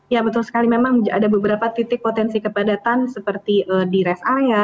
ya betul sekali memang ada beberapa titik potensi kepadatan seperti di rest area